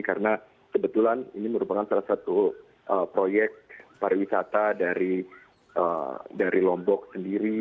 karena kebetulan ini merupakan salah satu proyek pariwisata dari lombok sendiri